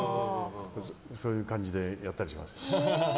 そういう感じでやったりします。